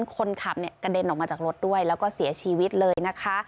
คนขับเนี่ยกระเด็นออกมาจากรถด้วยแล้วก็เสียชีวิตเลยนะคะ